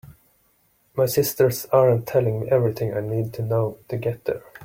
My sisters aren’t telling me everything I need to know to get there.